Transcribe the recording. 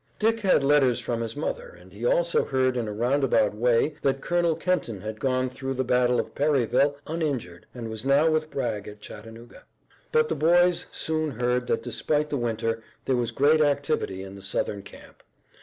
Dick had letters from his mother and he also heard in a roundabout way that Colonel Kenton had gone through the battle of Perryville uninjured and was now with Bragg at Chattanooga. But the boys soon heard that despite the winter there was great activity in the Southern camp.